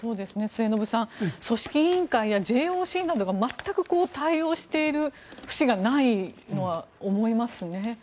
末延さん組織委員会やＪＯＣなどが全く対応している節がないのは思いますね。